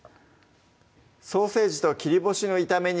「ソーセージと切り干しの炒め煮」